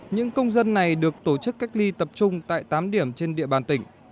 những công dân này được tổ chức cách ly tập trung tại tám điểm trên địa bàn tỉnh